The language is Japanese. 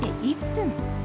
１分